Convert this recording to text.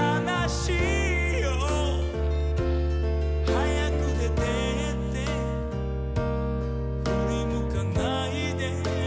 「早く出てってふりむかないで」